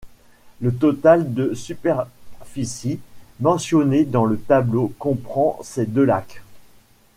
Le total de superficie mentionné dans le tableau comprend ces deux lacs.